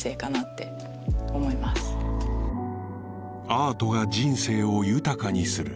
アートが人生を豊かにする